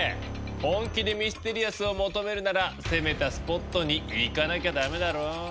本気でミステリアスを求めるなら攻めたスポットに行かなきゃダメだろ。